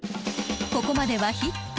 ［ここまではヒット。